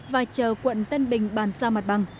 và chờ quận tân bình bàn xa mặt bằng